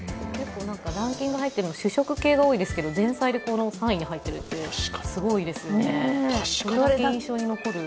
ランキングに入っているのは主食系が多いですけど、前菜で３位に入っているのはすごいですね。